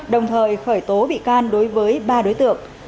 đồng thời khởi tố bị can đối với ba đối tượng